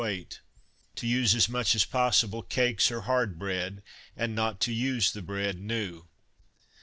weight; to use, as much as possible, Cakes or Hard Bread, and not to use the Bread new.